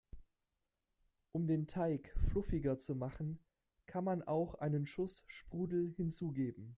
Um den Teig fluffiger zu machen, kann man auch einen Schuss Sprudel hinzugeben.